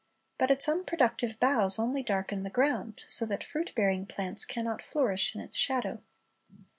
But its unproductive boughs only darken the ground, so that fruit bearing plants can not flourish in its shadov